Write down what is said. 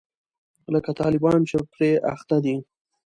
لکه طالبان چې پرې اخته دي.